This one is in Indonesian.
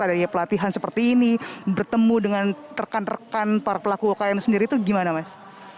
adanya pelatihan seperti ini bertemu dengan rekan rekan para pelaku ukm sendiri itu gimana mas